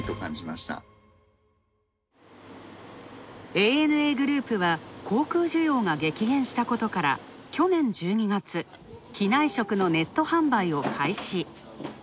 ＡＮＡグループは、航空需要が激減したことから去年１２月、機内食のネット販売を開始。